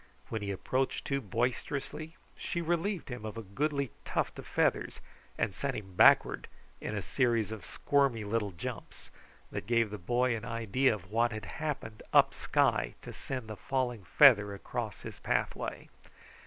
When he approached too boisterously, she relieved him of a goodly tuft of feathers and sent him backward in a series of squirmy little jumps that gave the boy an idea of what had happened up sky to send the falling feather across his pathway.